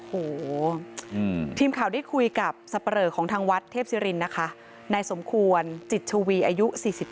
โอ้โหทีมข่าวได้คุยกับสับปะเลอของทางวัดเทพศิรินนะคะนายสมควรจิตชวีอายุ๔๒